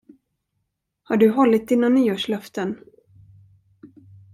Har du hållit dina nyårslöften?